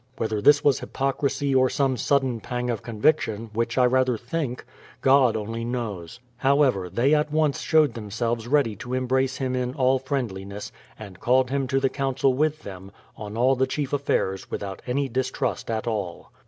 Whether this was hypocrisy or some sudden pang of conviction (which I rather think), God only 146 BRADFORD'S HISTORY OF knows. However, they at once showed themselves ready to embrace him in all friendliness, and called him to the council with them, on all the chief affairs without any distrust at all.